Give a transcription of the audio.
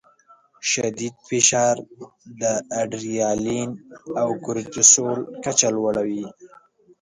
شدید فشار د اډرینالین او کورټیسول کچه لوړوي.